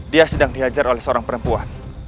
dia sedang dihajar oleh seorang perempuan